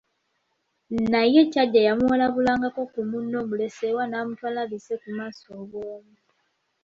Naye Kyajja yamuwalabulangako ku munnoomuleseewa n'amutwala aliise ku maaso obw'olumu.